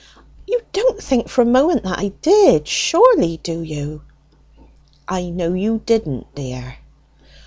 You don't think for a moment that I did, surely, do you?" "I know you didn't, dear."